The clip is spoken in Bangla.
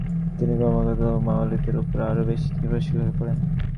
তিনি ক্রমাগতভাবে মাওয়ালিদের ওপর আরও বেশি নির্ভরশীল হয়ে পড়েন।